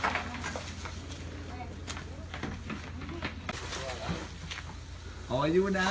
อันนี้มันยังกูเลยเนาะ